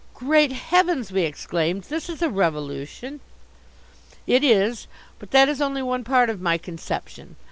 "Great Heavens," we exclaimed, "this is a revolution." "It is. But that is only one part of my conception.